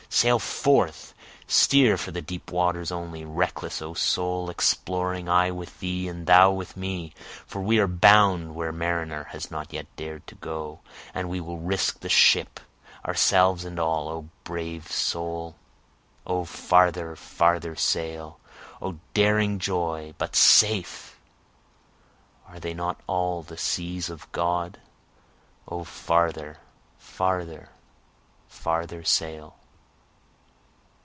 Sail forth steer for the deep waters only, Reckless O soul, exploring, I with thee, and thou with me, For we are bound where mariner has not yet dared to go, And we will risk the ship, ourselves and all. O my brave soul! O farther farther sail! O daring joy, but safe! are they not all the seas of God? O farther, farther, farther sail!